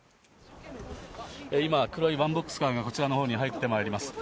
今、黒いワンボックスカーがこちらのほうに入ってまいります。